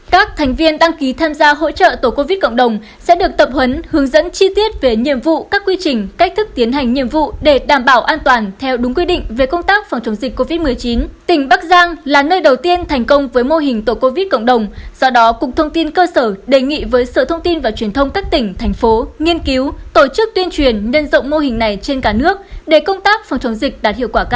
các bạn hãy đăng ký kênh để ủng hộ kênh của chúng mình nhé